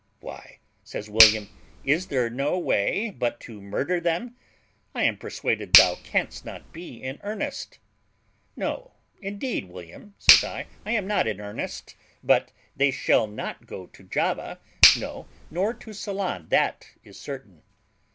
"Why," says William, "is there no way but to murder them? I am persuaded thou canst not be in earnest." "No, indeed, William," says I, "I am not in earnest; but they shall not go to Java, no, nor to Ceylon, that is certain."